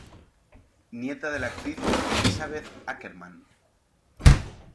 Nieta de la actriz Elisabeth Ackermann.